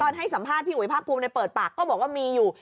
ให้สัมภาษณ์พี่อุ๋ยภาคภูมิในเปิดปากก็บอกว่ามีอยู่